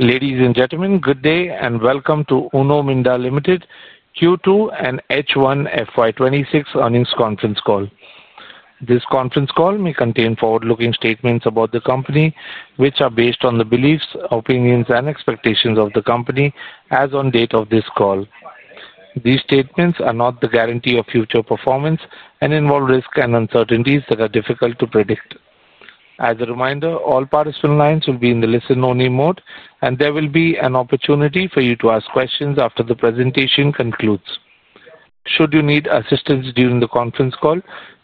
Ladies and gentlemen, good day, and welcome to Uno Minda Limited Q2 and H1 FY2026 earnings conference call. This conference call may contain forward-looking statements about the company, which are based on the beliefs, opinions, and expectations of the company as on date of this call. These statements are not the guarantee of future performance and involve risks and uncertainties that are difficult to predict. As a reminder, all participant lines will be in the listen-only mode, and there will be an opportunity for you to ask questions after the presentation concludes. Should you need assistance during the conference call,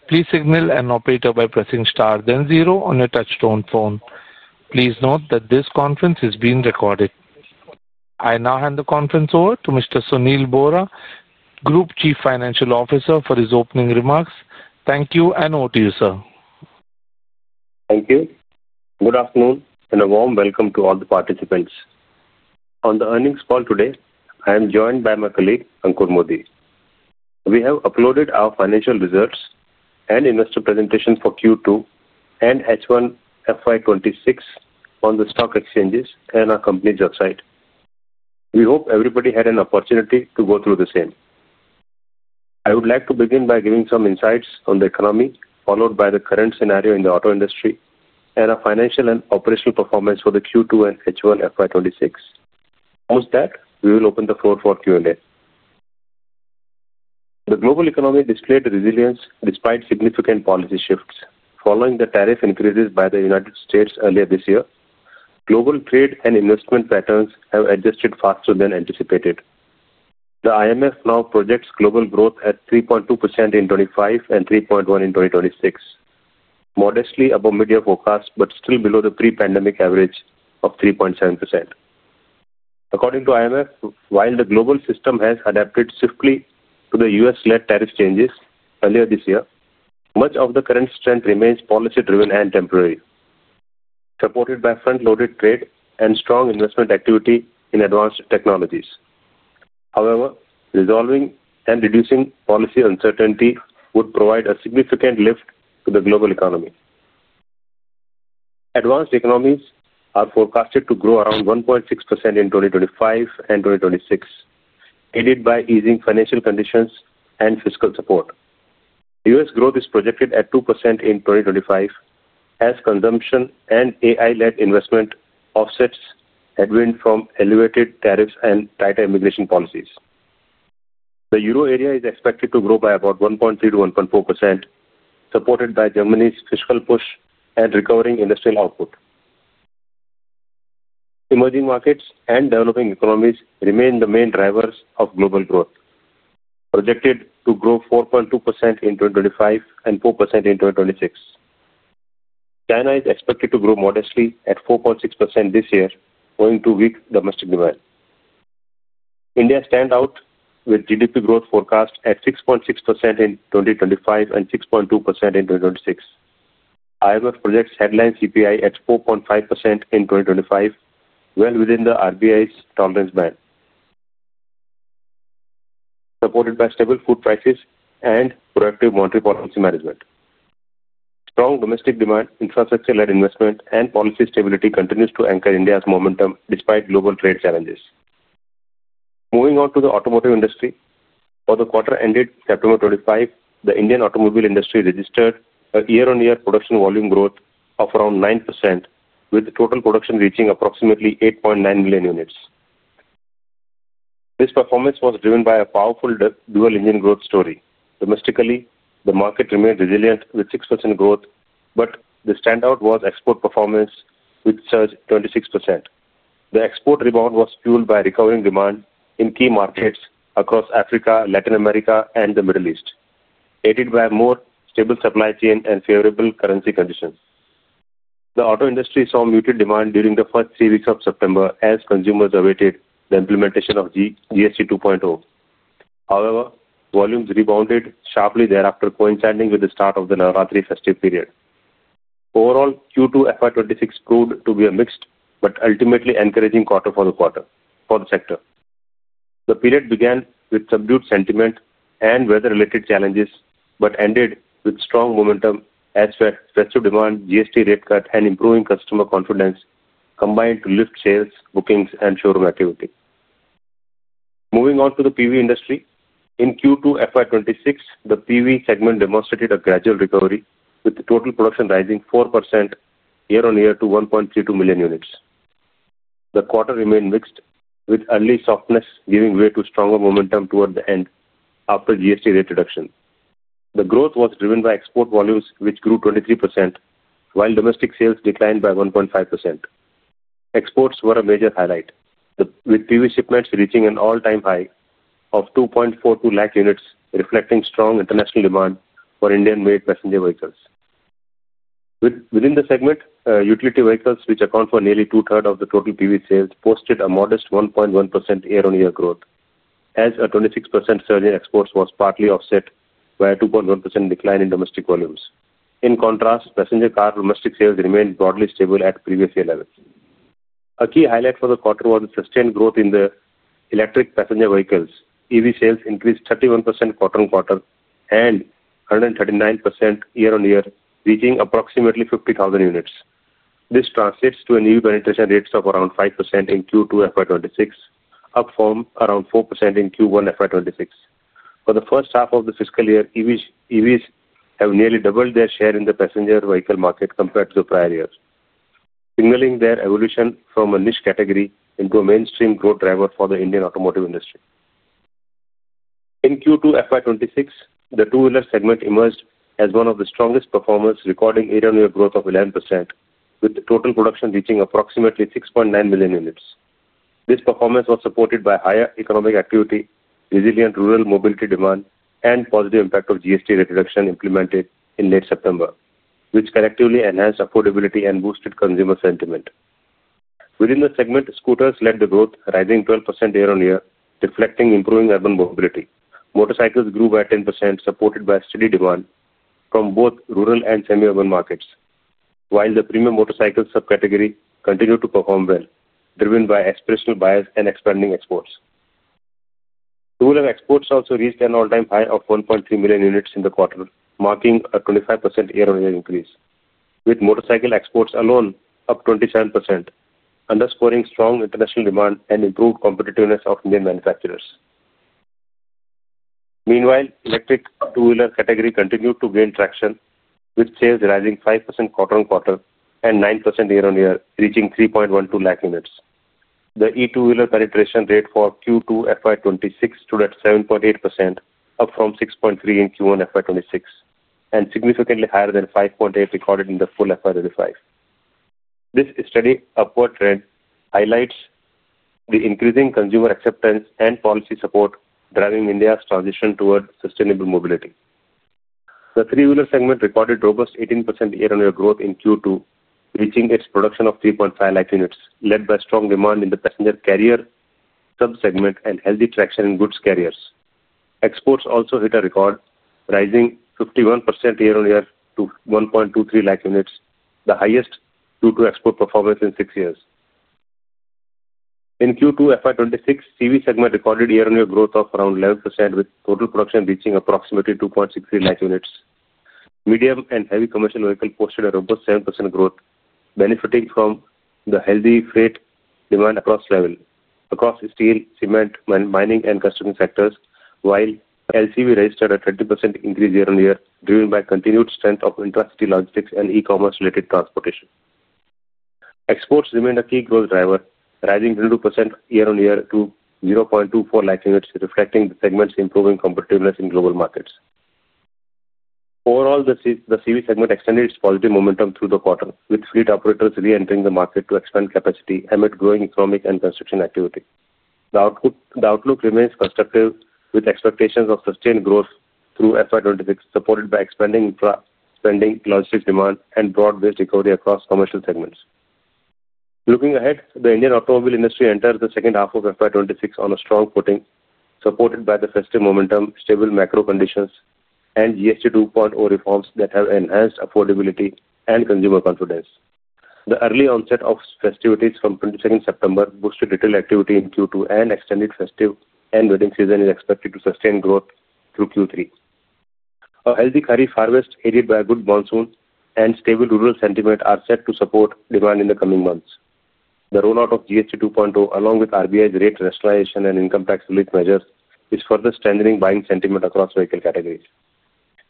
please signal an operator by pressing star, then zero on your touchstone phone. Please note that this conference is being recorded. I now hand the conference over to Mr. Sunil Bohra, Group Chief Financial Officer, for his opening remarks. Thank you and over to you, sir. Thank you. Good afternoon and a warm welcome to all the participants. On the earnings call today, I am joined by my colleague, Ankur Modi. We have uploaded our financial results and investor presentation for Q2 and H1 FY2026 on the stock exchanges and our company's website. We hope everybody had an opportunity to go through the same. I would like to begin by giving some insights on the economy, followed by the current scenario in the auto industry, and our financial and operational performance for the Q2 and H1 FY2026. Once that, we will open the floor for Q&A. The global economy displayed resilience despite significant policy shifts. Following the tariff increases by the United States earlier this year, global trade and investment patterns have adjusted faster than anticipated. The IMF now projects global growth at 3.2% in 2025 and 3.1% in 2026, modestly above media forecasts but still below the pre-pandemic average of 3.7%. According to the IMF, while the global system has adapted swiftly to the U.S.-led tariff changes earlier this year, much of the current strength remains policy-driven and temporary, supported by front-loaded trade and strong investment activity in advanced technologies. However, resolving and reducing policy uncertainty would provide a significant lift to the global economy. Advanced economies are forecasted to grow around 1.6% in 2025 and 2026, aided by easing financial conditions and fiscal support. U.S. growth is projected at 2% in 2025, as consumption and AI-led investment offsets have grown from elevated tariffs and tighter immigration policies. The euro area is expected to grow by about 1.3%-1.4%, supported by Germany's fiscal push and recovering industrial output. Emerging markets and developing economies remain the main drivers of global growth, projected to grow 4.2% in 2025 and 4% in 2026. China is expected to grow modestly at 4.6% this year, owing to weak domestic demand. India stands out with GDP growth forecast at 6.6% in 2025 and 6.2% in 2026. IMF projects headline CPI at 4.5% in 2025, well within the RBI's tolerance band, supported by stable food prices and proactive monetary policy management. Strong domestic demand, infrastructure-led investment, and policy stability continue to anchor India's momentum despite global trade challenges. Moving on to the automotive industry, for the quarter-ended September 2025, the Indian automobile industry registered a year-on-year production volume growth of around 9%, with total production reaching approximately 8.9 million units. This performance was driven by a powerful dual-engine growth story. Domestically, the market remained resilient with 6% growth, but the standout was export performance, which surged 26%. The export rebound was fueled by recovering demand in key markets across Africa, Latin America, and the Middle East, aided by more stable supply chains and favorable currency conditions. The auto industry saw muted demand during the first three weeks of September, as consumers awaited the implementation of GST 2.0. However, volumes rebounded sharply thereafter, coinciding with the start of the Navratri festive period. Overall, Q2 FY2026 proved to be a mixed but ultimately encouraging quarter for the sector. The period began with subdued sentiment and weather-related challenges but ended with strong momentum, as festive demand, GST rate cut, and improving customer confidence combined to lift sales, bookings, and showroom activity. Moving on to the PV industry, in Q2 FY2026, the PV segment demonstrated a gradual recovery, with total production rising 4% year-on-year to 1.32 million units. The quarter remained mixed, with early softness giving way to stronger momentum toward the end after GST rate reduction. The growth was driven by export volumes, which grew 23%, while domestic sales declined by 1.5%. Exports were a major highlight, with PV shipments reaching an all-time high of 242,000 units, reflecting strong international demand for Indian-made passenger vehicles. Within the segment, utility vehicles, which account for nearly 2/3 of the total PV sales, posted a modest 1.1% year-on-year growth, as a 26% surge in exports was partly offset by a 2.1% decline in domestic volumes. In contrast, passenger car domestic sales remained broadly stable at previous year levels. A key highlight for the quarter was the sustained growth in the electric passenger vehicles. EV sales increased 31% quarter-on-quarter and 139% year-on-year, reaching approximately 50,000 units. This translates to an EV penetration rate of around 5% in Q2 FY2026, up from around 4% in Q1 FY2026. For the first half of the fiscal year, EVs have nearly doubled their share in the passenger vehicle market compared to the prior years, signaling their evolution from a niche category into a mainstream growth driver for the Indian automotive industry. In Q2 FY2026, the two-wheeler segment emerged as one of the strongest performers, recording year-on-year growth of 11%, with total production reaching approximately 6.9 million units. This performance was supported by higher economic activity, resilient rural mobility demand, and positive impact of GST rate reduction implemented in late September, which collectively enhanced affordability and boosted consumer sentiment. Within the segment, scooters led the growth, rising 12% year-on-year, reflecting improving urban mobility. Motorcycles grew by 10%, supported by steady demand from both rural and semi-urban markets, while the premium motorcycle subcategory continued to perform well, driven by aspirational buyers and expanding exports. Two-wheeler exports also reached an all-time high of 1.3 million units in the quarter, marking a 25% year-on-year increase, with motorcycle exports alone up 27%, underscoring strong international demand and improved competitiveness of Indian manufacturers. Meanwhile, electric two-wheeler category continued to gain traction, with sales rising 5% quarter-on-quarter and 9% year-on-year, reaching 312,000 units. The e-two-wheeler penetration rate for Q2 FY2026 stood at 7.8%, up from 6.3% in Q1 FY2026 and significantly higher than 5.8% recorded in the full FY2025. This steady upward trend highlights the increasing consumer acceptance and policy support, driving India's transition toward sustainable mobility. The three-wheeler segment recorded robust 18% year-on-year growth in Q2, reaching its production of 350,000 units, led by strong demand in the passenger carrier subsegment and healthy traction in goods carriers. Exports also hit a record, rising 51% year-on-year to 123,000 units, the highest due to export performance in six years. In Q2 2026, the CV segment recorded year-on-year growth of around 11%, with total production reaching approximately 263,000 units. Medium and heavy commercial vehicles posted a robust 7% growth, benefiting from the healthy freight demand across steel, cement, mining, and construction sectors, while LCV registered a 20% increase year-on-year, driven by continued strength of intra-city logistics and e-commerce-related transportation. Exports remained a key growth driver, rising 22% year-on-year to 24,000 units, reflecting the segment's improving competitiveness in global markets. Overall, the CV segment extended its positive momentum through the quarter, with fleet operators re-entering the market to expand capacity amid growing economic and construction activity. The outlook remains constructive, with expectations of sustained growth through FY2026, supported by expanding logistics demand and broad-based recovery across commercial segments. Looking ahead, the Indian automobile industry enters the second half of FY2026 on a strong footing, supported by the festive momentum, stable macro conditions, and GST 2.0 reforms that have enhanced affordability and consumer confidence. The early onset of festivities from 22nd September boosted retail activity in Q2, and extended festive and wedding season is expected to sustain growth through Q3. A healthy kharif harvest, aided by a good monsoon and stable rural sentiment, are set to support demand in the coming months. The rollout of GST 2.0, along with RBI's rate rationalization and income tax relief measures, is further strengthening buying sentiment across vehicle categories.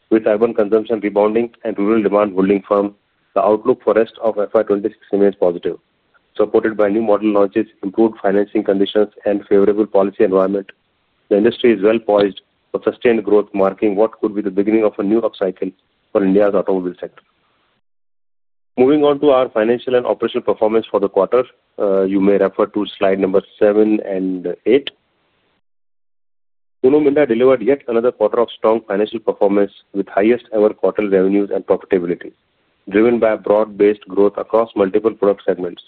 With urban consumption rebounding and rural demand holding firm, the outlook for the rest of FY2026 remains positive, supported by new model launches, improved financing conditions, and favorable policy environment. The industry is well poised for sustained growth, marking what could be the beginning of a new upcycle for India's automobile sector. Moving on to our financial and operational performance for the quarter, you may refer to slide number 7 and 8. Uno Minda delivered yet another quarter of strong financial performance, with highest-ever quarterly revenues and profitability, driven by broad-based growth across multiple product segments.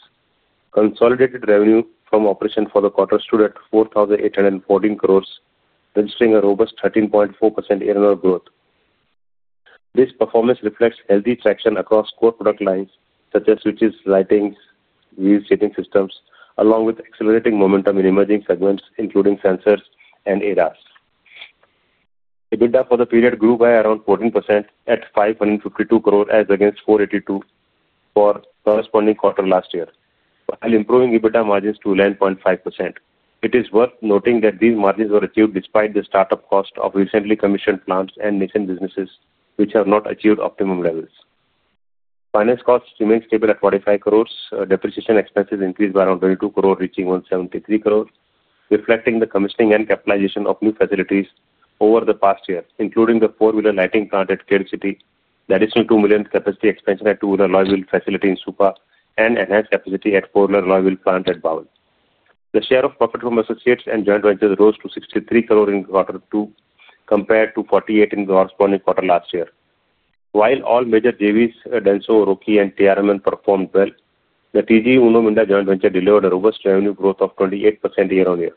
Consolidated revenue from operation for the quarter stood at 4,814 crore, registering a robust 13.4% year-on-year growth. This performance reflects healthy traction across core product lines, such as switches, lighting, and wheel shading systems, along with accelerating momentum in emerging segments, including sensors and ADAS. EBITDA for the period grew by around 14% at 552 crore, as against 482 crore for the corresponding quarter last year, while improving EBITDA margins to 11.5%. It is worth noting that these margins were achieved despite the startup cost of recently commissioned plants and nascent businesses, which have not achieved optimum levels. Finance costs remained stable at 45 crore. Depreciation expenses increased by around 22 crore, reaching 173 crore, reflecting the commissioning and capitalization of new facilities over the past year, including the four-wheeler lighting plant at Pune, the additional 2 million capacity expansion at two-wheeler alloy wheel facility in Supa, and enhanced capacity at four-wheeler alloy wheel plant at Bawal. The share of profit from associates and joint ventures rose to 630 million in quarter 2, compared to 480 million in the corresponding quarter last year. While all major JVs—Denso, Roki, and TRMN—performed well, the TG Uno Minda joint venture delivered a robust revenue growth of 28% year-on-year.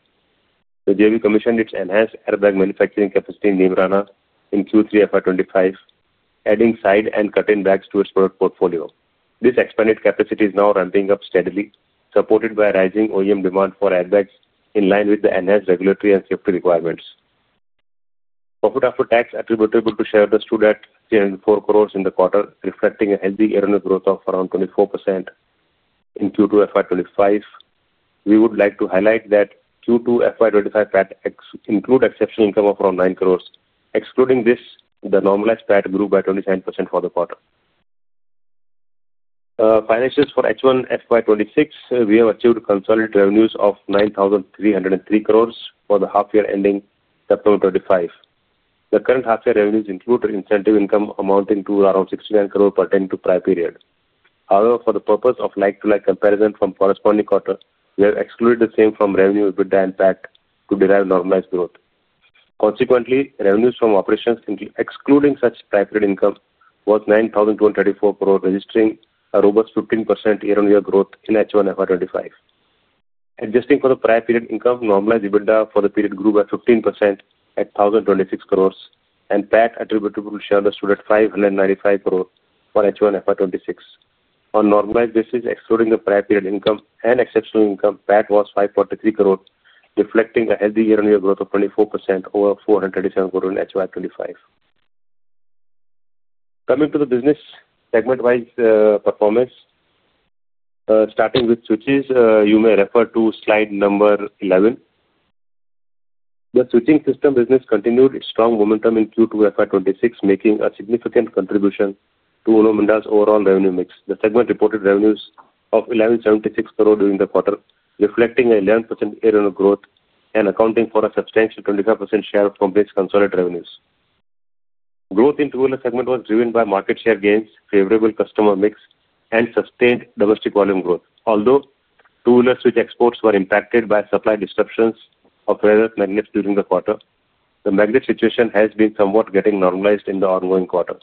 The JV commissioned its enhanced airbag manufacturing capacity in Nimrana in Q3 FY2025, adding side and curtain bags to its product portfolio. This expanded capacity is now ramping up steadily, supported by rising OEM demand for airbags in line with the enhanced regulatory and safety requirements. Profit after tax attributable to shareholders stood at 3,040 million in the quarter, reflecting a healthy year-on-year growth of around 24% in Q2 FY2025. We would like to highlight that Q2 FY2025 PAT includes exceptional income of around 90 million. Excluding this, the normalized PAT grew by 27% for the quarter. Financials for H1 FY2026, we have achieved consolidated revenues of 9,303 crore for the half-year ending September 2025. The current half-year revenues include incentive income amounting to around 69 crore pertaining to prior period. However, for the purpose of like-to-like comparison from corresponding quarter, we have excluded the same from revenue, EBITDA, and PAT to derive normalized growth. Consequently, revenues from operations excluding such prior period income was 9,234 crore, registering a robust 15% year-on-year growth in H1 FY2025. Adjusting for the prior period income, normalized EBITDA for the period grew by 15% at 1,026 crore, and PAT attributable to shareholders stood at 595 crore for H1 FY2026. On normalized basis, excluding the prior period income and exceptional income, PAT was 543 crore, reflecting a healthy year-on-year growth of 24% over 437 crore in H1 FY2025. Coming to the business segment-wise performance, starting with switches, you may refer to slide number 11. The switching system business continued its strong momentum in Q2 FY2026, making a significant contribution to Uno Minda's overall revenue mix. The segment reported revenues of 1,176 crore during the quarter, reflecting an 11% year-on-year growth and accounting for a substantial 25% share from these consolidated revenues. Growth in the two-wheeler segment was driven by market share gains, favorable customer mix, and sustained domestic volume growth. Although two-wheeler switch exports were impacted by supply disruptions of various magnets during the quarter, the magnet situation has been somewhat getting normalized in the ongoing quarter.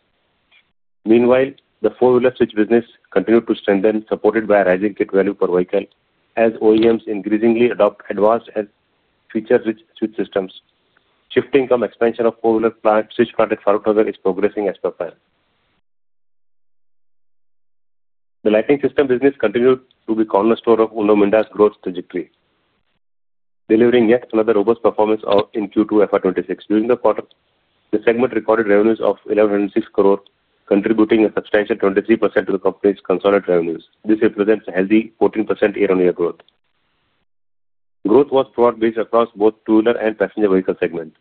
Meanwhile, the four-wheeler switch business continued to strengthen, supported by a rising kit value per vehicle, as OEMs increasingly adopt advanced and feature-rich switch systems. Shifting from expansion of four-wheeler switch plant at Farukhnagar is progressing as per plan. The lighting system business continued to be a cornerstone of Uno Minda's growth trajectory, delivering yet another robust performance in Q2 FY2026. During the quarter, the segment recorded revenues of 1,106 crore, contributing a substantial 23% to the company's consolidated revenues. This represents a healthy 14% year-on-year growth. Growth was broad-based across both two-wheeler and passenger vehicle segments.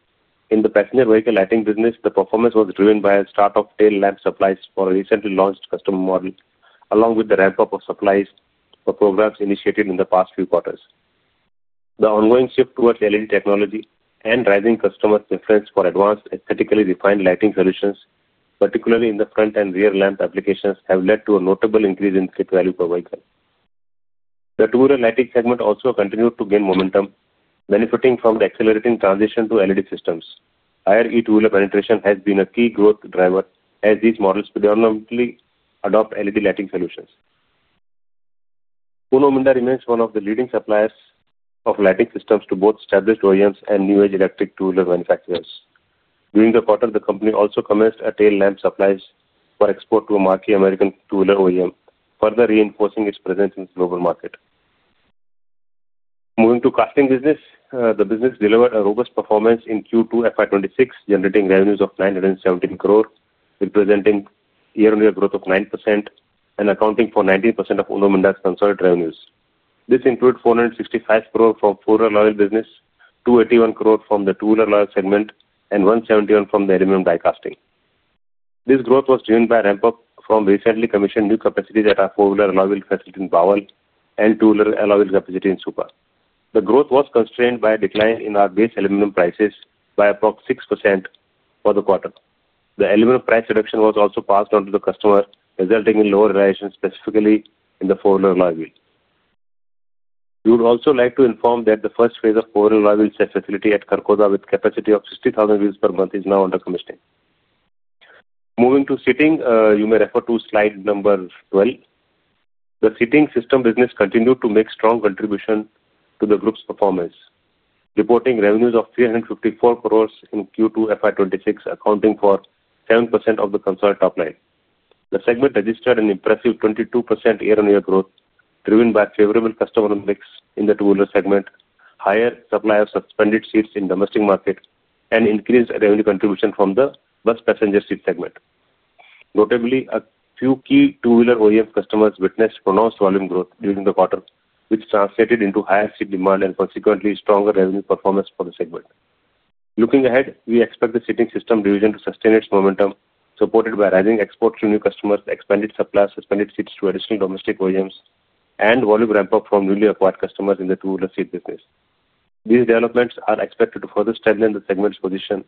In the passenger vehicle lighting business, the performance was driven by a start of tail lamp supplies for a recently launched customer model, along with the ramp-up of supplies for programs initiated in the past few quarters. The ongoing shift towards LED technology and rising customer preference for advanced aesthetically refined lighting solutions, particularly in the front and rear lamp applications, have led to a notable increase in kit value per vehicle. The two-wheeler lighting segment also continued to gain momentum, benefiting from the accelerating transition to LED systems. Higher e-two-wheeler penetration has been a key growth driver, as these models predominantly adopt LED lighting solutions. Uno Minda remains one of the leading suppliers of lighting systems to both established OEMs and new-age electric two-wheeler manufacturers. During the quarter, the company also commenced tail lamp supplies for export to a marquee American two-wheeler OEM, further reinforcing its presence in the global market. Moving to casting business, the business delivered a robust performance in Q2 FY2026, generating revenues of 917 crore, representing year-on-year growth of 9% and accounting for 19% of Uno Minda's consolidated revenues. This included 465 crore from four-wheeler alloy wheel business, 281 crore from the two-wheeler alloy wheel segment, and 171 crore from the aluminum die casting. This growth was driven by a ramp-up from recently commissioned new capacities at our four-wheeler alloy wheel facility in Bawal and two-wheeler alloy wheel facility in Supa. The growth was constrained by a decline in our base aluminum prices by approximately 6% for the quarter. The aluminum price reduction was also passed on to the customer, resulting in lower realization, specifically in the four-wheeler alloy wheel. We would also like to inform that the first phase of four-wheeler alloy facility at Karkoza, with a capacity of 60,000 wheels per month, is now under commissioning. Moving to seating, you may refer to slide number 12. The seating system business continued to make a strong contribution to the group's performance, reporting revenues of 354 crore in Q2 FY2026, accounting for 7% of the consolidated top line. The segment registered an impressive 22% year-on-year growth, driven by favorable customer mix in the two-wheeler segment, higher supply of suspended seats in the domestic market, and increased revenue contribution from the bus passenger seat segment. Notably, a few key two-wheeler OEM customers witnessed pronounced volume growth during the quarter, which translated into higher seat demand and consequently stronger revenue performance for the segment. Looking ahead, we expect the seating system division to sustain its momentum, supported by rising exports to new customers, expanded supply, suspended seats to additional domestic OEMs, and volume ramp-up from newly acquired customers in the two-wheeler seat business. These developments are expected to further strengthen the segment's position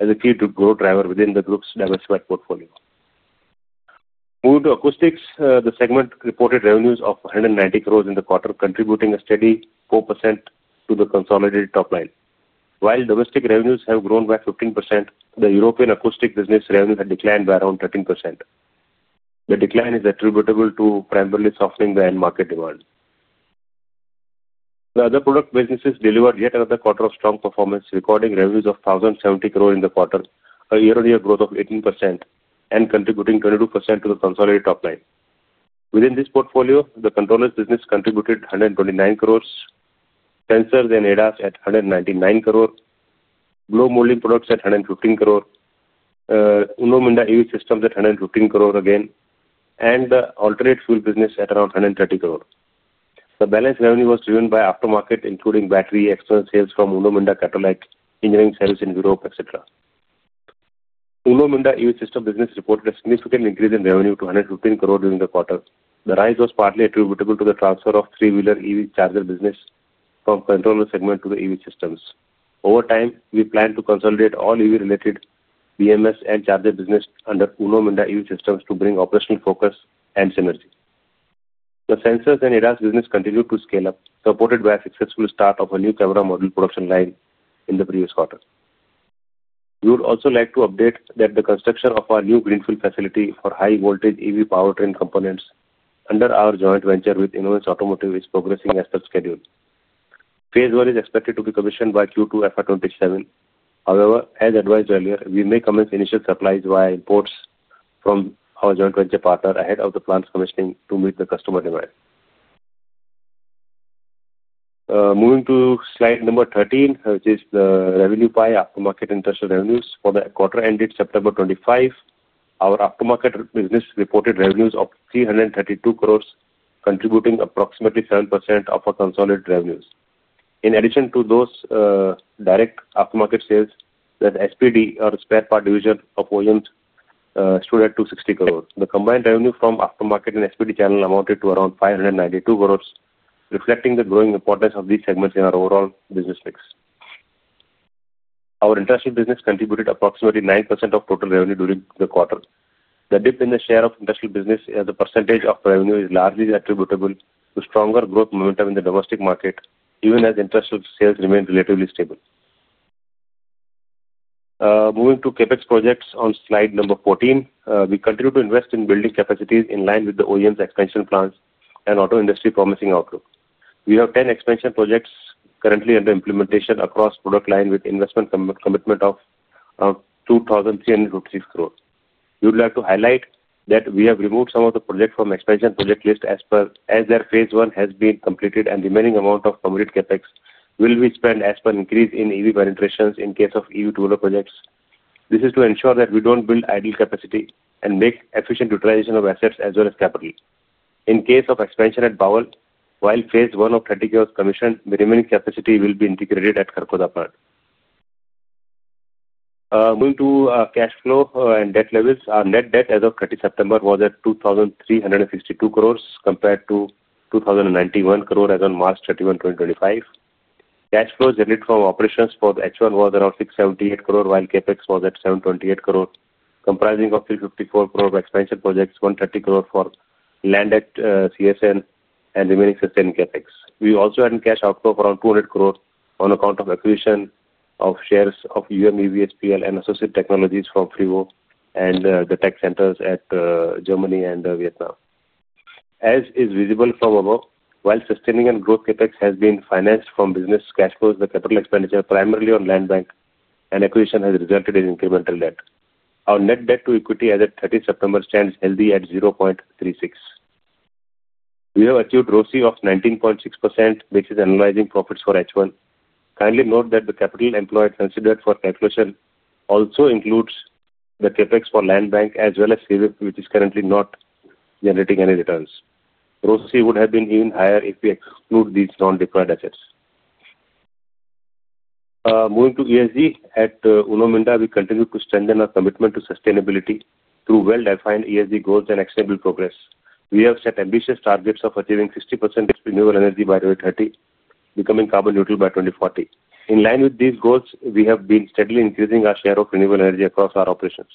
as a key growth driver within the group's diversified portfolio. Moving to acoustics, the segment reported revenues of 190 crore in the quarter, contributing a steady 4% to the consolidated top line. While domestic revenues have grown by 15%, the European acoustic business revenue had declined by around 13%. The decline is attributable to primarily softening the end market demand. The other product businesses delivered yet another quarter of strong performance, recording revenues of 1,070 crore in the quarter, a year-on-year growth of 18%, and contributing 22% to the consolidated top line. Within this portfolio, the controllers business contributed 129 crore, sensors and ADAS at 199 crore, glow molding products at 115 crore, Uno Minda EV systems at 115 crore again, and the alternate fuel business at around 130 crore. The balanced revenue was driven by aftermarket, including battery external sales from Uno Minda Catalytics, engineering service in Europe, etc. Uno Minda EV systems business reported a significant increase in revenue to 115 crore during the quarter. The rise was partly attributable to the transfer of three-wheeler EV charger business from controller segment to the EV systems. Over time, we plan to consolidate all EV-related BMS and charger business under Uno Minda EV systems to bring operational focus and synergy. The sensors and ADAS business continued to scale up, supported by a successful start of a new camera model production line in the previous quarter. We would also like to update that the construction of our new greenfield facility for high-voltage EV powertrain components under our joint venture with INOVANCE Automotive is progressing as per schedule. Phase I is expected to be commissioned by Q2 FY2027. However, as advised earlier, we may commence initial supplies via imports from our joint venture partner ahead of the plant's commissioning to meet the customer demand. Moving to slide number 13, which is the revenue by aftermarket industrial revenues for the quarter ended September 25, our aftermarket business reported revenues of 332 crore, contributing approximately 7% of our consolidated revenues. In addition to those direct aftermarket sales, the SPD, or spare part division of OEMs, stood at 260 crore. The combined revenue from aftermarket and SPD channel amounted to around 592 crore, reflecting the growing importance of these segments in our overall business mix. Our industrial business contributed approximately 9% of total revenue during the quarter. The dip in the share of industrial business as a percentage of revenue is largely attributable to stronger growth momentum in the domestic market, even as industrial sales remain relatively stable. Moving to CapEx projects on slide number 14, we continue to invest in building capacities in line with the OEMs' expansion plans and auto industry promising outlook. We have 10 expansion projects currently under implementation across product line with investment commitment of 2,356 crore rupees. We would like to highlight that we have removed some of the projects from the expansion project list as per as their phase I has been completed, and the remaining amount of committed CapEx will be spent as per increase in EV penetrations in case of EV two-wheeler projects. This is to ensure that we do not build idle capacity and make efficient utilization of assets as well as capital. In case of expansion at Bawal, while phase I of 30 crore was commissioned, the remaining capacity will be integrated at Karkoza plant. Moving to cash flow and debt levels, our net debt as of 30 September was at 2,362 crore compared to 2,091 crore as of March 31, 2025. Cash flow generated from operations for H1 was around 678 crore, while CapEx was at 728 crore, comprising 354 crore for expansion projects, 130 crore for land at CSN, and remaining sustained CapEx. We also had a cash outflow of around 200 crore on account of acquisition of shares of EVSPL and Associated Technologies from FRIWO and the tech centers at Germany and Vietnam. As is visible from above, while sustaining and growth CapEx has been financed from business cash flows, the capital expenditure primarily on land bank and acquisition has resulted in incremental debt. Our net debt to equity as of 30 September stands healthy at 0.36. We have achieved ROCE of 19.6%, which is analyzing profits for H1. Kindly note that the capital employed considered for calculation also includes the CapEx for land bank as well as CVF, which is currently not generating any returns. ROCE would have been even higher if we exclude these non-deployed assets. Moving to ESG at Uno Minda, we continue to strengthen our commitment to sustainability through well-defined ESG goals and actionable progress. We have set ambitious targets of achieving 60% renewable energy by 2030, becoming carbon neutral by 2040. In line with these goals, we have been steadily increasing our share of renewable energy across our operations.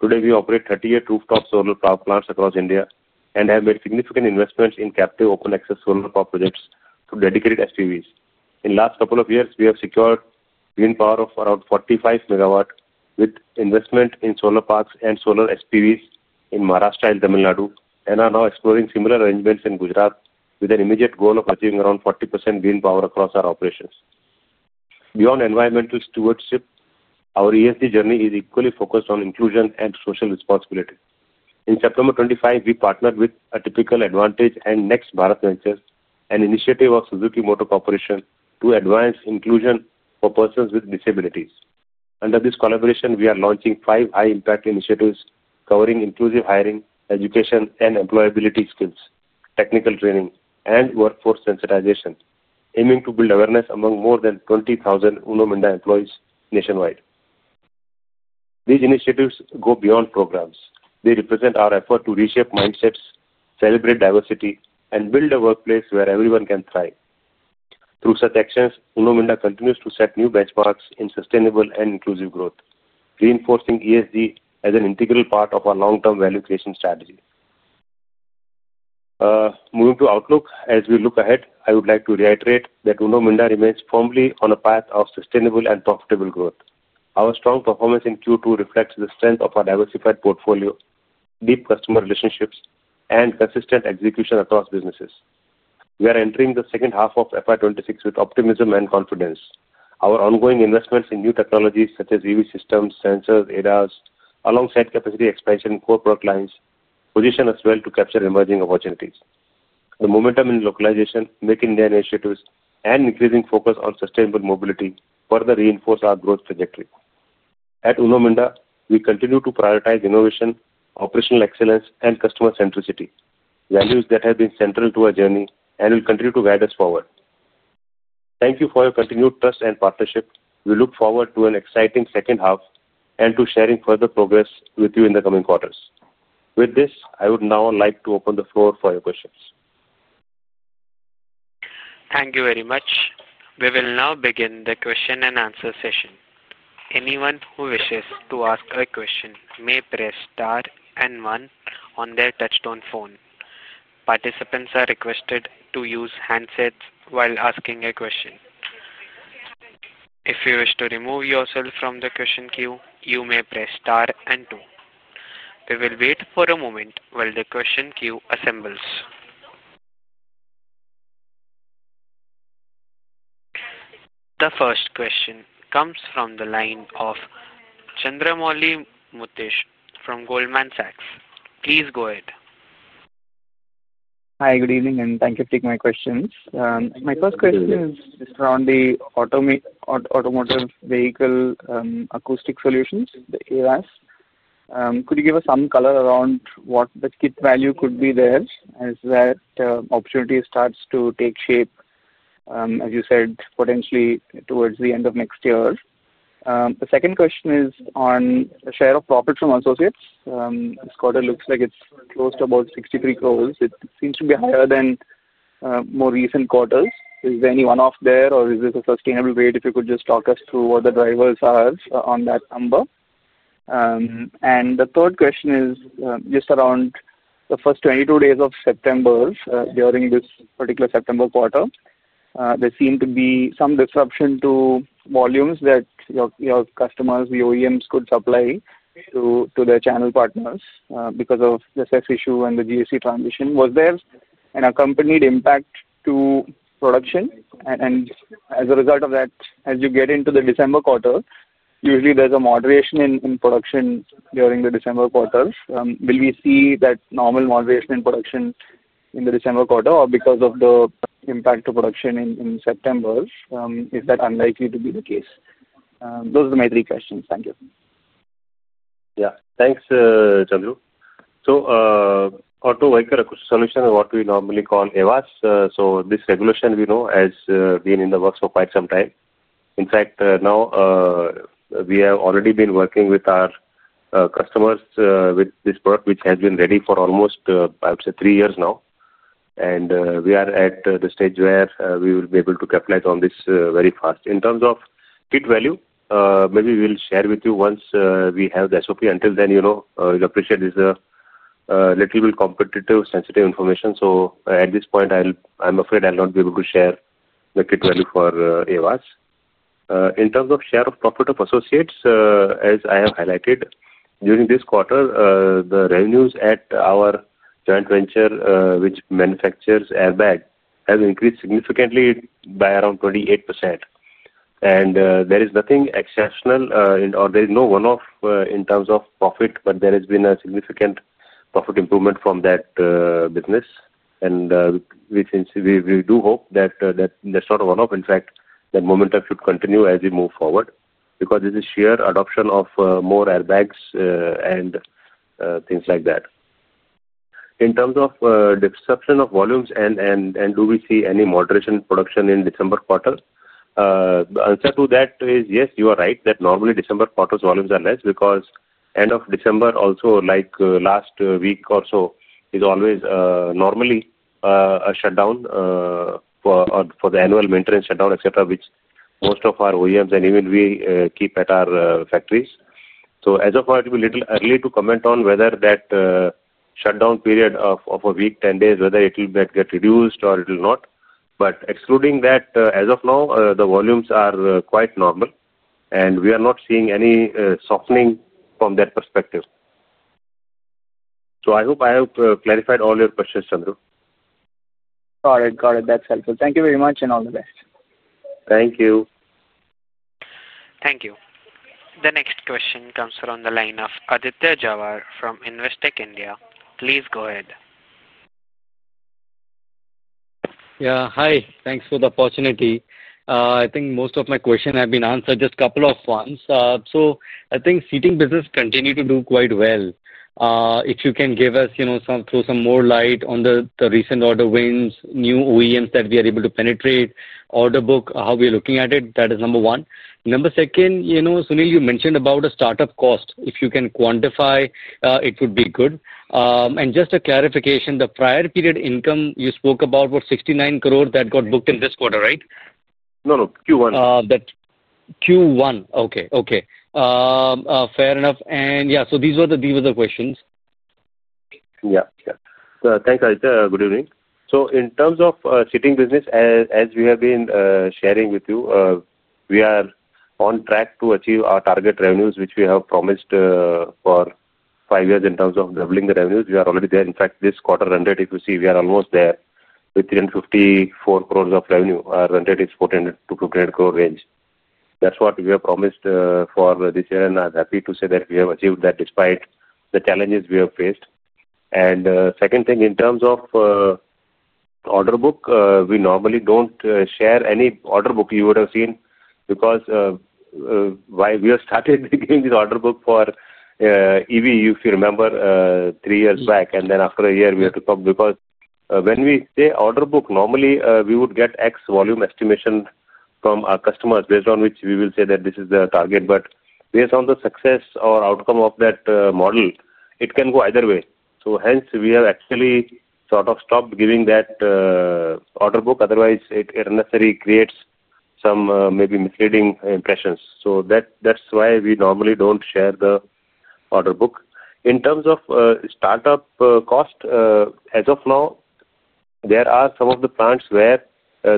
Today, we operate 38 rooftop solar plants across India and have made significant investments in captive open access solar park projects through dedicated SPVs. In the last couple of years, we have secured wind power of around 45 MW with investment in solar parks and solar SPVs in Maharashtra and Tamil Nadu, and are now exploring similar arrangements in Gujarat with an immediate goal of achieving around 40% wind power across our operations. Beyond environmental stewardship, our ESG journey is equally focused on inclusion and social responsibility. In September 2025, we partnered with Atypical Advantage and Next Bharat Ventures, an initiative of Suzuki Motor Corporation, to advance inclusion for persons with disabilities. Under this collaboration, we are launching five high-impact initiatives covering inclusive hiring, education, and employability skills, technical training, and workforce sensitization, aiming to build awareness among more than 20,000 Uno Minda employees nationwide. These initiatives go beyond programs. They represent our effort to reshape mindsets, celebrate diversity, and build a workplace where everyone can thrive. Through such actions, Uno Minda continues to set new benchmarks in sustainable and inclusive growth, reinforcing ESG as an integral part of our long-term value creation strategy. Moving to outlook, as we look ahead, I would like to reiterate that Uno Minda remains firmly on a path of sustainable and profitable growth. Our strong performance in Q2 reflects the strength of our diversified portfolio, deep customer relationships, and consistent execution across businesses. We are entering the second half of FY2026 with optimism and confidence. Our ongoing investments in new technologies such as EV systems, sensors, ADAS, alongside capacity expansion, core product lines, position us well to capture emerging opportunities. The momentum in localization, Make India initiatives, and increasing focus on sustainable mobility further reinforce our growth trajectory. At Uno Minda, we continue to prioritize innovation, operational excellence, and customer centricity, values that have been central to our journey and will continue to guide us forward. Thank you for your continued trust and partnership. We look forward to an exciting second half and to sharing further progress with you in the coming quarters. With this, I would now like to open the floor for your questions. Thank you very much. We will now begin the question-and-answer session. Anyone who wishes to ask a question may press star and one on their touchstone phone. Participants are requested to use handsets while asking a question. If you wish to remove yourself from the question queue, you may press star and two. We will wait for a moment while the question queue assembles. The first question comes from the line of Chandramoli Muthiah from Goldman Sachs. Please go ahead. Hi, good evening, and thank you for taking my questions. My first question is around the automotive vehicle acoustic solutions, the ADAS. Could you give us some color around what the kit value could be there as that opportunity starts to take shape, as you said, potentially towards the end of next year? The second question is on the share of profits from associates. This quarter looks like it's close to about 63 crore. It seems to be higher than more recent quarters. Is there any one-off there, or is this a sustainable rate? If you could just talk us through what the drivers are on that number. The third question is just around the first 22 days of September during this particular September quarter. There seemed to be some disruption to volumes that your customers, the OEMs, could supply to their channel partners because of the SES issue and the GSE transition. Was there an accompanied impact to production? As a result of that, as you get into the December quarter, usually there's a moderation in production during the December quarter. Will we see that normal moderation in production in the December quarter, or because of the impact to production in September, is that unlikely to be the case? Those are my three questions. Thank you. Yeah, thanks, Chandru. Auto Vehicle Solution is what we normally call AVAS. This regulation we know has been in the works for quite some time. In fact, now we have already been working with our customers with this product, which has been ready for almost, I would say, three years now. We are at the stage where we will be able to capitalize on this very fast. In terms of kit value, maybe we'll share with you once we have the SOP. Until then, you know we'll appreciate this little bit competitive sensitive information. At this point, I'm afraid I'll not be able to share the kit value for AVAS. In terms of share of profit of associates, as I have highlighted, during this quarter, the revenues at our joint venture, which manufactures airbags, have increased significantly by around 28%. There is nothing exceptional, or there is no one-off in terms of profit, but there has been a significant profit improvement from that business. We do hope that it's not a one-off. In fact, that momentum should continue as we move forward because this is sheer adoption of more airbags and things like that. In terms of disruption of volumes, and do we see any moderation in production in December quarter? The answer to that is yes, you are right that normally December quarter's volumes are less because end of December, also like last week or so, is always normally a shutdown for the annual maintenance shutdown, etc., which most of our OEMs and even we keep at our factories. As of now, it will be a little early to comment on whether that shutdown period of a week, 10 days, whether it will get reduced or it will not. Excluding that, as of now, the volumes are quite normal, and we are not seeing any softening from that perspective. I hope I have clarified all your questions, Chandru. Got it. Got it. That's helpful. Thank you very much and all the best. Thank you. Thank you. The next question comes from the line of Aditya Jhawar from Investec India. Please go ahead. Yeah, hi. Thanks for the opportunity. I think most of my questions have been answered, just a couple of ones. I think seating business continues to do quite well. If you can give us some more light on the recent order wins, new OEMs that we are able to penetrate, order book, how we are looking at it, that is number one. Number second, Sunil, you mentioned about a startup cost. If you can quantify, it would be good. Just a clarification, the prior period income you spoke about was 690 million that got booked in this quarter, right? No, no. Q1. Q1. Okay. Okay. Fair enough. These were the questions. Yeah. Yeah. Thanks, Aditya. Good evening. In terms of seating business, as we have been sharing with you, we are on track to achieve our target revenues, which we have promised for five years in terms of doubling the revenues. We are already there. In fact, this quarter, if you see, we are almost there with 354 crore of revenue. Our target is 400-500 crore range. That's what we have promised for this year, and I'm happy to say that we have achieved that despite the challenges we have faced. Second thing, in terms of order book, we normally do not share any order book you would have seen because why we have started giving this order book for EV, if you remember, three years back, and then after a year, we had to come because when we say order book, normally we would get X volume estimation from our customers based on which we will say that this is the target. Based on the success or outcome of that model, it can go either way. Hence, we have actually sort of stopped giving that order book. Otherwise, it necessarily creates some maybe misleading impressions. That is why we normally do not share the order book. In terms of startup cost, as of now, there are some of the plants where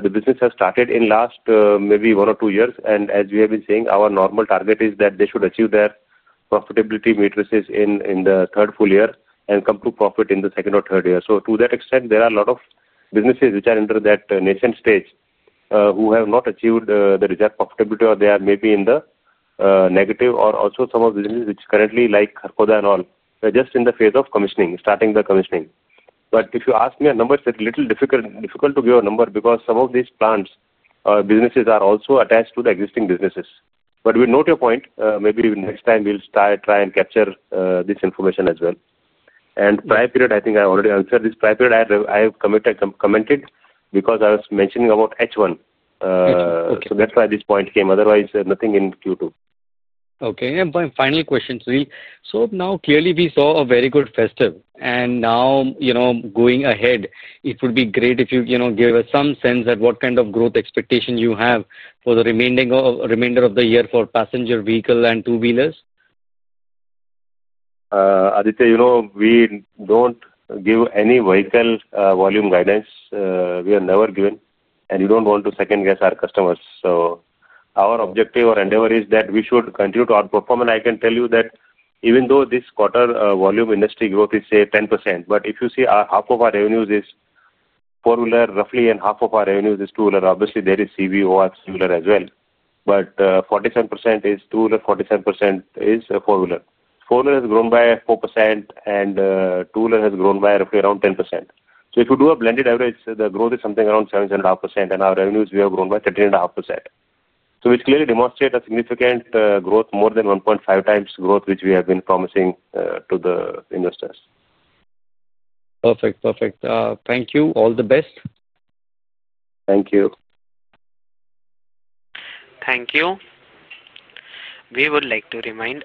the business has started in the last maybe one or two years. As we have been saying, our normal target is that they should achieve their profitability matrices in the third full year and come to profit in the second or third year. To that extent, there are a lot of businesses which are under that nascent stage who have not achieved the desired profitability, or they are maybe in the negative, or also some of the businesses which currently, like Karkoza and all, they are just in the phase of commissioning, starting the commissioning. If you ask me a number, it is a little difficult to give a number because some of these plants or businesses are also attached to the existing businesses. We note your point. Maybe next time we will try and capture this information as well. Prior period, I think I already answered this. Prior period, I have commented because I was mentioning about H1. That's why this point came. Otherwise, nothing in Q2. Okay. My final question, Sunil. Now clearly we saw a very good festival. Now going ahead, it would be great if you give us some sense at what kind of growth expectation you have for the remainder of the year for passenger vehicle and two-wheelers. Aditya, we don't give any vehicle volume guidance. We have never given. We don't want to second-guess our customers. Our objective or endeavor is that we should continue to outperform. I can tell you that even though this quarter volume industry growth is, say, 10%, if you see half of our revenues is four-wheeler, roughly half of our revenues is two-wheeler. Obviously, there is CVO at similar as well. 47% is two-wheeler, 47% is four-wheeler. Four-wheeler has grown by 4%, and two-wheeler has grown by roughly around 10%. If you do a blended average, the growth is something around 7.5%, and our revenues, we have grown by 13.5%. It clearly demonstrates a significant growth, more than 1.5x growth, which we have been promising to the investors. Perfect. Perfect. Thank you. All the best. Thank you. Thank you. We would like to remind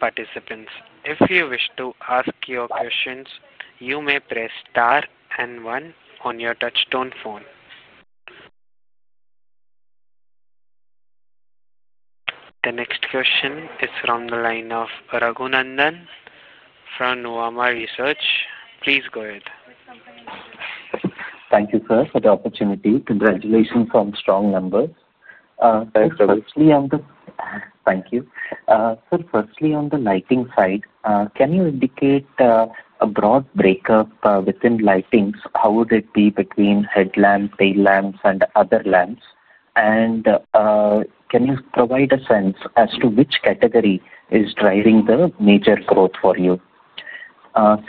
participants, if you wish to ask your questions, you may press star and one on your touchstone phone. The next question is from the line of Raghunandan from Nuvama Research. Please go ahead. Thank you, sir, for the opportunity. Congratulations on strong numbers. Thank you. Thank you. Sir, firstly, on the lighting side, can you indicate a broad breakup within lightings? How would it be between headlamps, tail lamps, and other lamps? Can you provide a sense as to which category is driving the major growth for you?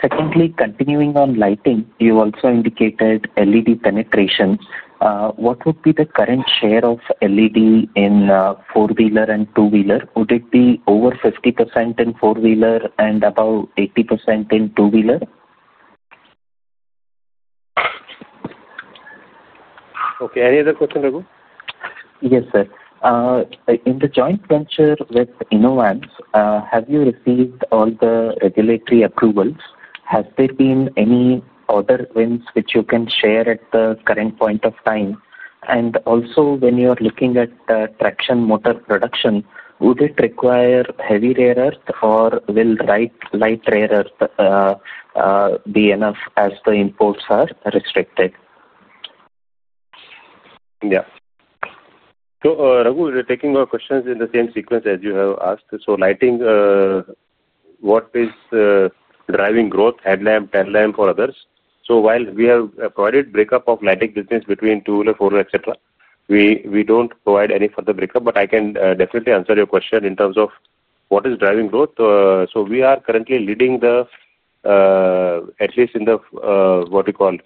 Secondly, continuing on lighting, you also indicated LED penetrations. What would be the current share of LED in four-wheeler and two-wheeler? Would it be over 50% in four-wheeler and about 80% in two-wheeler? Okay. Any other question, Raghu? Yes, sir. In the joint venture with INOVANCE Automotive, have you received all the regulatory approvals? Has there been any other wins which you can share at the current point of time? Also, when you are looking at traction motor production, would it require heavy rare earth, or will light rare earth be enough as the imports are restricted? Yeah. Raghu, taking our questions in the same sequence as you have asked, lighting, what is driving growth? Headlamp, tail lamp, or others? While we have provided breakup of lighting business between two-wheeler, four-wheeler, etc., we do not provide any further breakup, but I can definitely answer your question in terms of what is driving growth. We are currently leading the, at least in what we call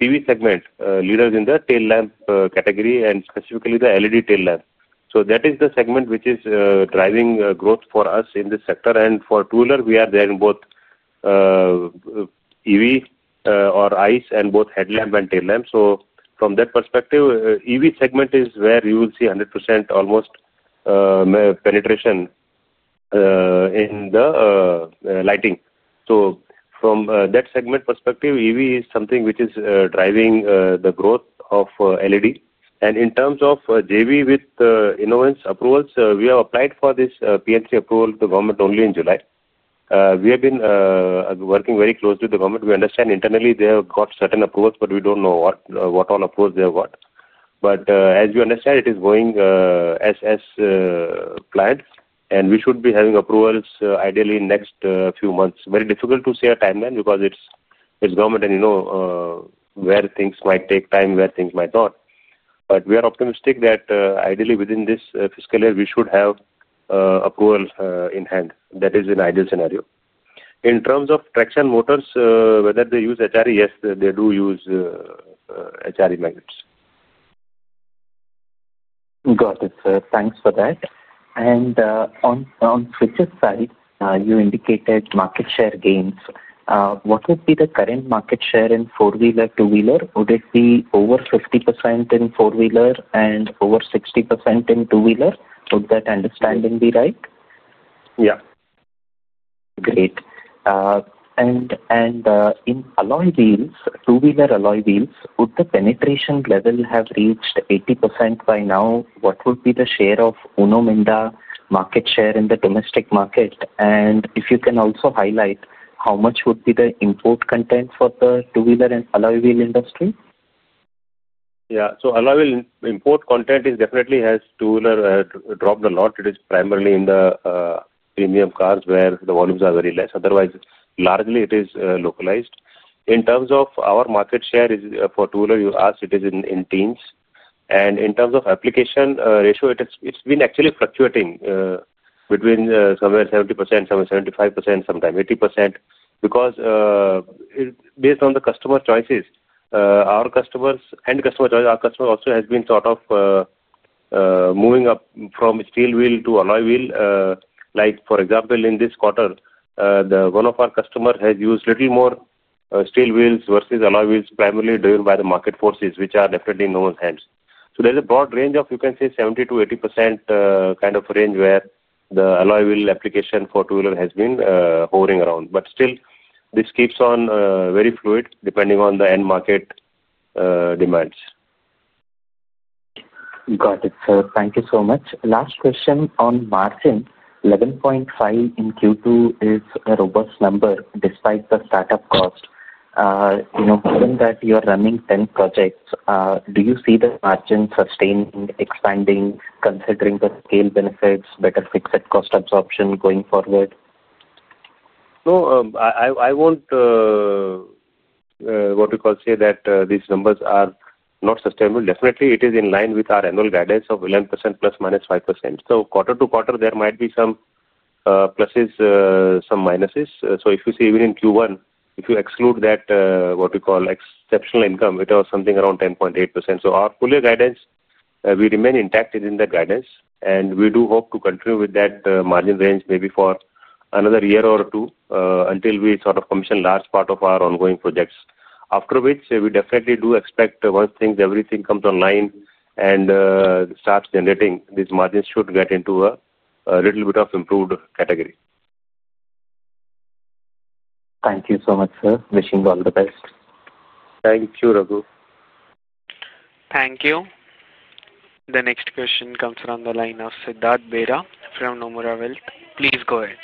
PV segment, leaders in the tail lamp category and specifically the LED tail lamp. That is the segment which is driving growth for us in this sector. For two-wheeler, we are there in both EV or ICE and both headlamp and tail lamp. From that perspective, EV segment is where you will see almost 100% penetration in the lighting. From that segment perspective, EV is something which is driving the growth of LED. In terms of JV with INOVANCE Automotive approvals, we have applied for this PNC approval to the government only in July. We have been working very closely with the government. We understand internally they have got certain approvals, but we do not know what all approvals they have got. As you understand, it is going as planned, and we should be having approvals ideally in the next few months. Very difficult to see a timeline because it is government and you know where things might take time, where things might not. We are optimistic that ideally within this fiscal year, we should have approval in hand. That is an ideal scenario. In terms of traction motors, whether they use HRE, yes, they do use HRE magnets. Got it, sir. Thanks for that. On switches side, you indicated market share gains. What would be the current market share in four-wheeler, two-wheeler? Would it be over 50% in four-wheeler and over 60% in two-wheeler? Would that understanding be right? Yeah. Great. In alloy wheels, two-wheeler alloy wheels, would the penetration level have reached 80% by now? What would be the share of Uno Minda market share in the domestic market? If you can also highlight how much would be the import content for the two-wheeler and alloy wheel industry? Yeah. Alloy wheel import content definitely has, two-wheeler, dropped a lot. It is primarily in the premium cars where the volumes are very less. Otherwise, largely it is localized. In terms of our market share for two-wheeler, you asked, it is in teens. In terms of application ratio, it's been actually fluctuating between somewhere 70%, somewhere 75%, sometimes 80% because based on the customer choices, our customers and customer choices, our customer also has been sort of moving up from steel wheel to alloy wheel. Like for example, in this quarter, one of our customers has used a little more steel wheels versus alloy wheels, primarily driven by the market forces, which are definitely in no one's hands. There is a broad range of, you can say, 70%-80% kind of range where the alloy wheel application for two-wheeler has been hovering around. This keeps on very fluid depending on the end market demands. Got it, sir. Thank you so much. Last question on margin. 11.5% in Q2 is a robust number despite the startup cost. Given that you are running 10 projects, do you see the margin sustaining, expanding, considering the scale benefits, better fixed cost absorption going forward? No, I won't say that these numbers are not sustainable. Definitely, it is in line with our annual guidance of 11% ±5%. Quarter to quarter, there might be some pluses, some minuses. If you see, even in Q1, if you exclude that what we call exceptional income, it was something around 10.8%. Our full-year guidance, we remain intact within that guidance, and we do hope to continue with that margin range maybe for another year or two until we sort of commission large part of our ongoing projects. After which, we definitely do expect once everything comes online and starts generating, these margins should get into a little bit of improved category. Thank you so much, sir. Wishing you all the best. Thank you, Raghu. Thank you. The next question comes from the line of Siddhartha Bera from Nomura Wealth. Please go ahead.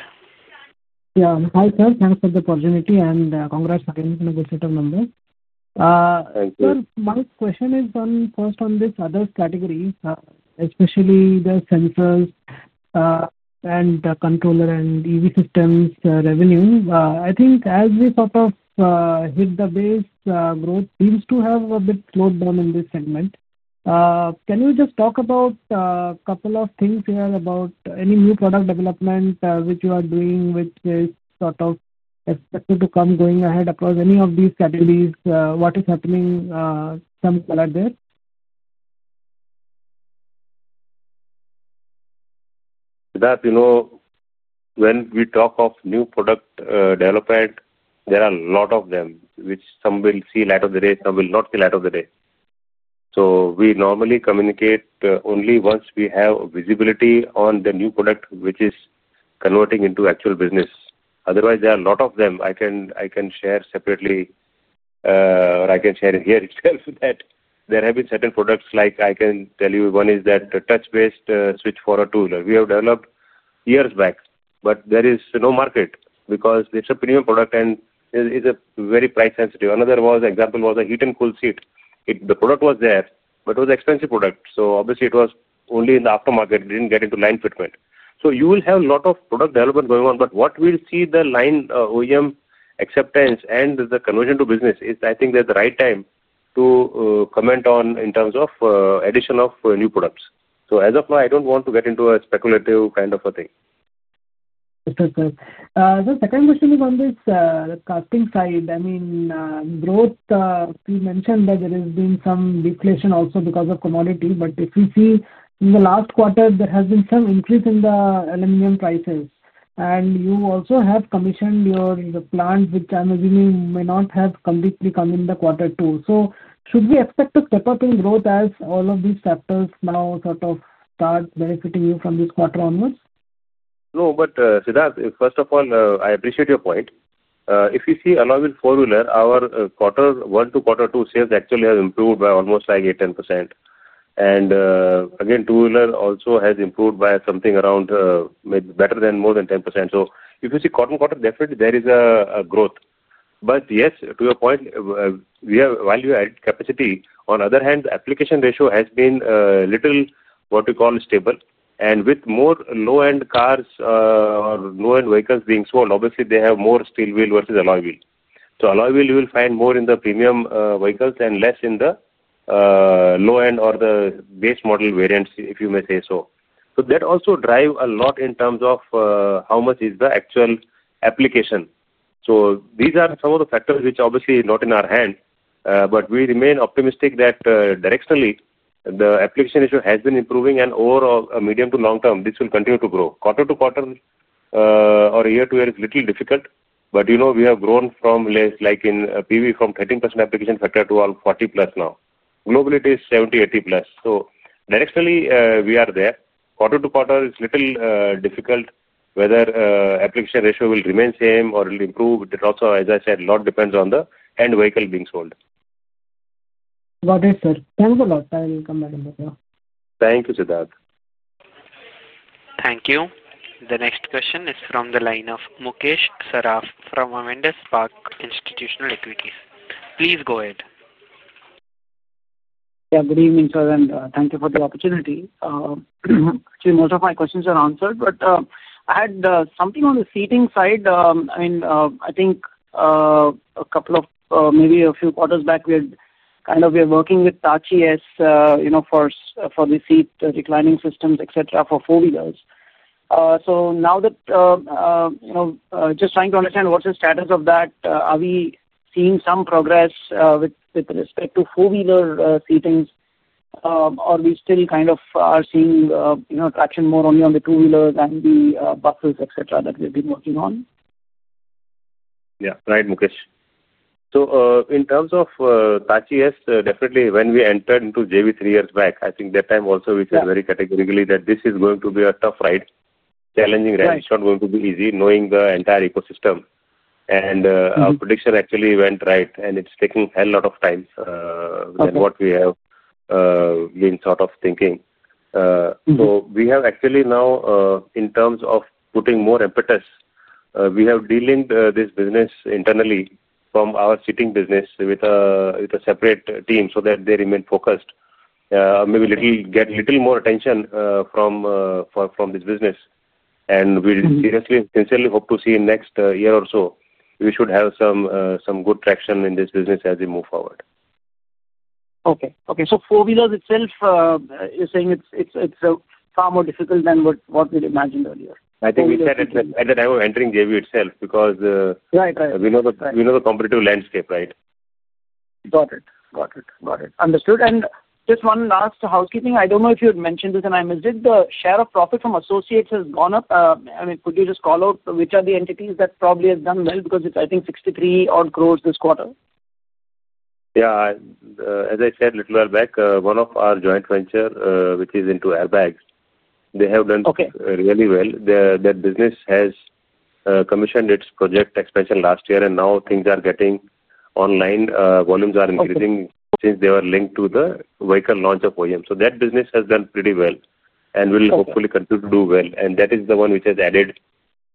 Yeah. Hi, sir. Thanks for the opportunity and congrats again for the good set of numbers. Thank you. Sir, my question is first on this other category, especially the sensors and controller and EV systems revenue. I think as we sort of hit the base, growth seems to have a bit slowed down in this segment. Can you just talk about a couple of things here about any new product development which you are doing, which is sort of expected to come going ahead across any of these categories? What is happening? Some color there. Siddhartha, when we talk of new product development, there are a lot of them which some will see light of the day, some will not see light of the day. We normally communicate only once we have visibility on the new product which is converting into actual business. Otherwise, there are a lot of them I can share separately or I can share here itself that there have been certain products like I can tell you one is that touch-based switch for a tool that we have developed years back, but there is no market because it's a premium product and it's very price-sensitive. Another example was a heat and cool seat. The product was there, but it was an expensive product. Obviously, it was only in the aftermarket. It didn't get into line fitment. You will have a lot of product development going on, but what will see the line OEM acceptance and the conversion to business is I think there's the right time to comment on in terms of addition of new products. As of now, I don't want to get into a speculative kind of a thing. Sir, the second question is on this casting side. I mean, growth, you mentioned that there has been some deflation also because of commodity, but if you see in the last quarter, there has been some increase in the aluminum prices. You also have commissioned your plant, which I'm assuming may not have completely come in the quarter two. Should we expect a step-up in growth as all of these factors now sort of start benefiting you from this quarter onwards? No, but Siddhartha, first of all, I appreciate your point. If you see alloy wheel four-wheeler, our quarter one to quarter two sales actually have improved by almost like 8%-10%. Again, two-wheeler also has improved by something around better than more than 10%. If you see quarter-to-quarter, definitely there is a growth. Yes, to your point, we have value-added capacity. On the other hand, the application ratio has been a little what we call stable. With more low-end cars or low-end vehicles being sold, obviously, they have more steel wheel versus alloy wheel. Alloy wheel, you will find more in the premium vehicles and less in the low-end or the base model variants, if you may say so. That also drives a lot in terms of how much is the actual application. These are some of the factors which obviously are not in our hand, but we remain optimistic that directionally, the application issue has been improving and overall, medium to long term, this will continue to grow. Quarter to quarter or year to year is a little difficult, but we have grown from less like in PV from 13% application factor to all 40+ now. Globally, it is 70-80+. Directionally, we are there. Quarter to quarter is a little difficult whether application ratio will remain same or it will improve. It also, as I said, a lot depends on the end vehicle being sold. Got it, sir. Thanks a lot. I will come back and talk to you. Thank you, Siddhartha. Thank you. The next question is from the line of Mukesh Saraf from Spark Institutional Equities. Please go ahead. Yeah, good evening, sir. And thank you for the opportunity. Actually, most of my questions are answered, but I had something on the seating side. I mean, I think a couple of maybe a few quarters back, we had kind of we were working with Tachi-S for the seat reclining systems, etc., for four-wheelers. Now just trying to understand what's the status of that, are we seeing some progress with respect to four-wheeler seatings, or we still kind of are seeing traction more only on the two-wheelers and the buckles, etc., that we've been working on? Yeah. Right, Mukesh. In terms of Tachi-S, definitely when we entered into JV three years back, I think that time also we said very categorically that this is going to be a tough ride, challenging ride. It's not going to be easy knowing the entire ecosystem. Our prediction actually went right, and it's taking a hell lot of time than what we have been sort of thinking. We have actually now, in terms of putting more impetus, we have de-linked this business internally from our seating business with a separate team so that they remain focused, maybe get a little more attention from this business. We seriously and sincerely hope to see next year or so, we should have some good traction in this business as we move forward. Okay. Okay. Four-wheelers itself, you're saying it's far more difficult than what we'd imagined earlier. I think we said it at the time of entering JV itself because we know the competitive landscape, right? Got it. Got it. Got it. Understood. Just one last housekeeping. I don't know if you had mentioned this and I missed it. The share of profit from associates has gone up. I mean, could you just call out which are the entities that probably have done well because it's, I think, 630 million-odd this quarter? Yeah. As I said a little while back, one of our joint ventures, which is into airbags, they have done really well. That business has commissioned its project expansion last year, and now things are getting online. Volumes are increasing since they were linked to the vehicle launch of OEM. That business has done pretty well and will hopefully continue to do well. That is the one which has added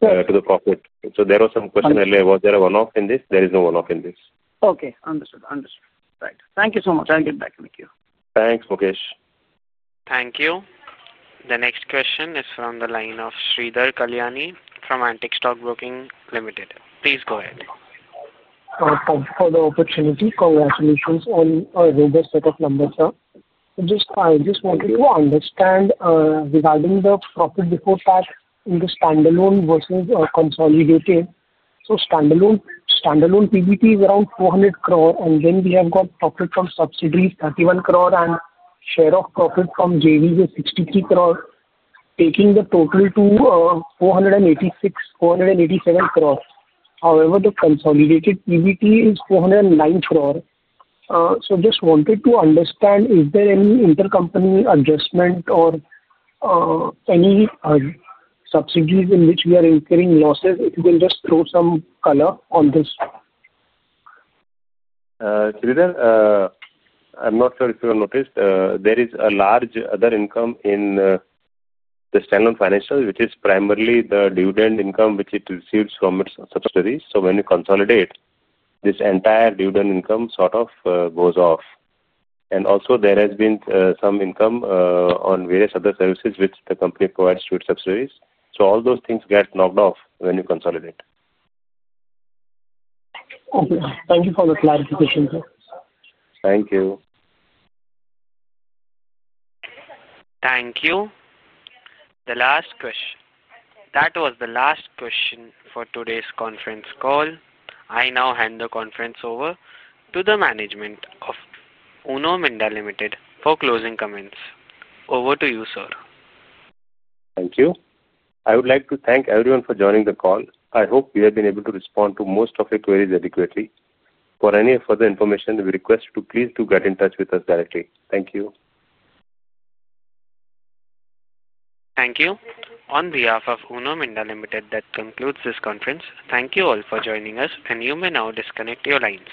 to the profit. There was some question earlier. Was there a one-off in this? There is no one-off in this. Okay. Understood. Understood. Right. Thank you so much. I'll get back with you. Thanks, Mukesh. Thank you. The next question is from the line of Sridhar Kalyani from Antique Stock Broking Limited. Please go ahead. Thanks for the opportunity. Congratulations on a robust set of numbers, sir. I just wanted to understand regarding the profit before tax in the standalone versus consolidated. Standalone PBT is around 400 crore, and then we have got profit from subsidiaries, 31 crore, and share of profit from JV is 63 crore, taking the total to 486-487 crore. However, the consolidated PBT is 409 crore. I just wanted to understand, is there any intercompany adjustment or any subsidiaries in which we are incurring losses? If you can just throw some color on this. Sridhar, I'm not sure if you have noticed. There is a large other income in the standalone financial, which is primarily the dividend income which it receives from its subsidiaries. When you consolidate, this entire dividend income sort of goes off. And also, there has been some income on various other services which the company provides to its subsidiaries. All those things get knocked off when you consolidate. Okay. Thank you for the clarification, sir. Thank you. Thank you. That was the last question for today's conference call. I now hand the conference over to the management of Uno Minda Limited for closing comments. Over to you, sir. Thank you. I would like to thank everyone for joining the call. I hope we have been able to respond to most of your queries adequately. For any further information, we request you to please do get in touch with us directly. Thank you. Thank you. On behalf of Uno Minda Limited, that concludes this conference. Thank you all for joining us, and you may now disconnect your lines.